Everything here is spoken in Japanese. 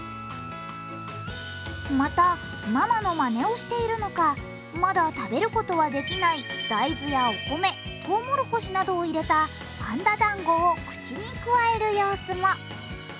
またママのまねをしているのか、まだ食べることはできない大豆やお米、とうもろこしなどを入れたパンダだんごを口にくわえる様子も。